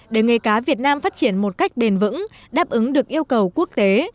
để nghề cá việt nam phát triển một cách bền vững đáp ứng được yêu cầu quốc tế